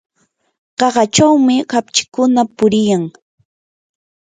qaqachawmi kapchikuna puriyan.